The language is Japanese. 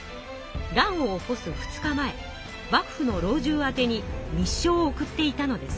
乱を起こす２日前幕府の老中あてに密書を送っていたのです。